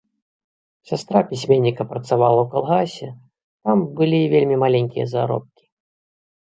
Сястра пісьменніка працавала ў калгасе, там былі вельмі маленькія заробкі.